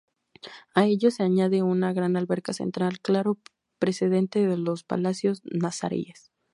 A ello se añade una gran alberca central, claro precedente de los palacios nazaríes.